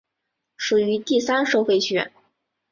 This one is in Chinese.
属于第三收费区。